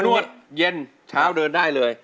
วดเย็นเช้าเดินได้เลย